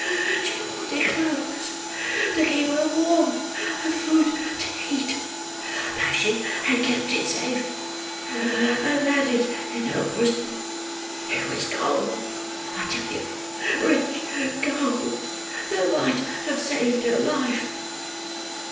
She wanted clothes to keep her warm, and food to eat; but she had kept it safe, and had it in her bosom. It was gold, I tell you! Rich gold, that might have saved her life!"